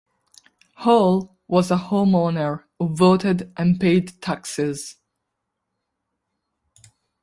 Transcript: Hall was a homeowner who voted and paid taxes.